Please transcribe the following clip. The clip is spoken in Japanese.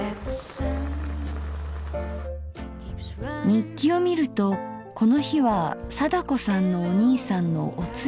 日記を見るとこの日は貞子さんのお兄さんのお通夜でした。